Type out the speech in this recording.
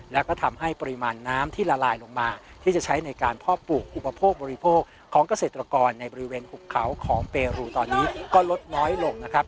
แล้วก็ทำให้ปริมาณน้ำที่ละลายลงมาที่จะใช้ในการพ่อปลูกอุปโภคบริโภคของเกษตรกรในบริเวณหุบเขาของเปรูตอนนี้ก็ลดน้อยลงนะครับ